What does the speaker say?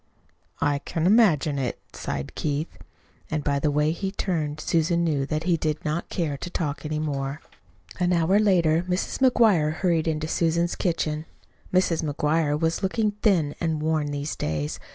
"I can imagine it," sighed Keith. And by the way he turned away Susan knew that he did not care to talk any more. An hour later Mrs. McGuire hurried into Susan's kitchen. Mrs. McGuire was looking thin and worn these days.